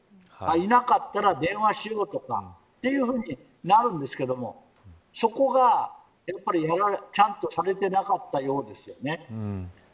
いなかったら電話しようとかというふうになるんですけれどもそこがちゃんとされていなかったようですよね。